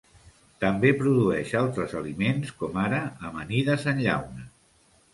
També produeix altres aliments com ara amanides en llauna.